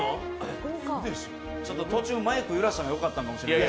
途中マイク揺らしたのがよかったのかもしれません。